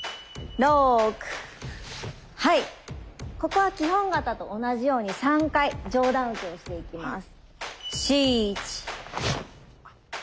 ここは基本形と同じように３回上段受けをしていきます。